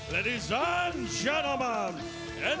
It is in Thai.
ทุกคนโอเตอร์แหมปท์